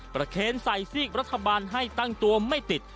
เคนใส่ซีกรัฐบาลให้ตั้งตัวไม่ติด